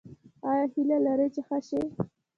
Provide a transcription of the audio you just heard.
ایا هیله لرئ چې ښه شئ؟